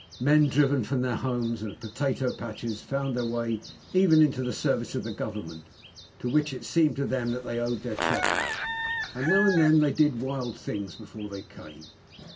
Men driven from their homes and potato patches found their way even into the service of the Government, to which it seemed to them that they owed their troubles, and now and then they did wild things before they came.